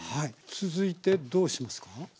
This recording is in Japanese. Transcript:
続いてどうしますか？